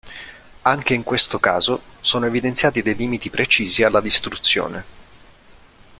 Anche in questo caso sono evidenziati dei limiti precisi alla distruzione.